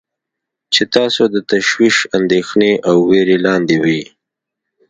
چې تاسو د تشویش، اندیښنې او ویرې لاندې وی.